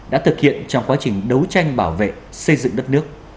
đã thực hiện trong quá trình đấu tranh bảo vệ xây dựng đất nước